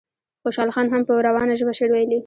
خوشحال خان هم په روانه ژبه شعر ویلی.